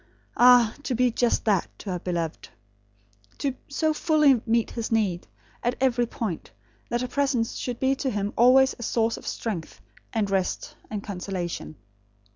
Ah, to be just that to her beloved! To so fully meet his need, at every point, that her presence should be to him always a source of strength, and rest, and consolation.